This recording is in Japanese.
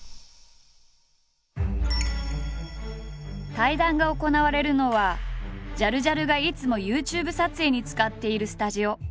対談が行われるのはジャルジャルがいつもＹｏｕＴｕｂｅ撮影に使っているスタジオ。